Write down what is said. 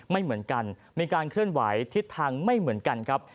ไม่เหมือนกันมีการเคลื่อนไหวทิศทางไม่เหมือนกันครับ